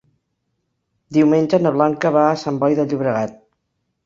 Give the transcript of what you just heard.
Diumenge na Blanca va a Sant Boi de Llobregat.